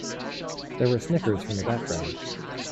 There were snickers from the background.